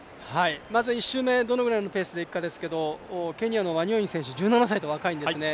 まずは１周目どのくらいのペースでいくかですけれどもケニアのワニョンイ選手、１７歳と若いんですね。